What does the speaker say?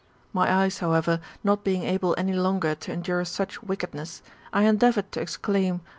My eyes, however, not being able any longer to endure such wickedness, I endeavoured to exclaim, O Quirites